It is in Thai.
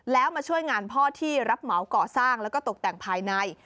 แล้วมาช่วยงานพ่อที่รับเหมาก่อสร้างแล้วก็ตกแต่งภายใน